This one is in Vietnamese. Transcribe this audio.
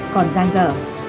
còn gian dở